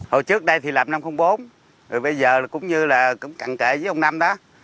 hồi trước đây thì làm năm trăm linh bốn rồi bây giờ cũng như là cận kệ với ông nam đó